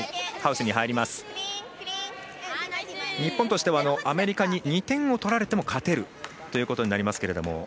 日本としてはアメリカに２点を取られても勝てるということになりますが。